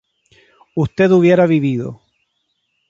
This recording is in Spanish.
usted hubiera vivido